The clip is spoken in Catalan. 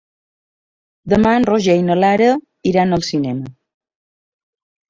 Demà en Roger i na Lara iran al cinema.